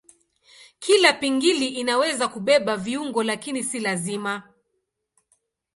Kila pingili inaweza kubeba viungo lakini si lazima.